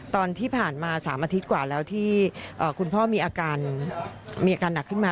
ตอนที่ผ่านมา๓อาทิตย์กว่าแล้วที่คุณพ่อมีอาการหนักขึ้นมา